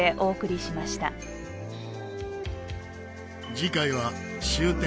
次回は終点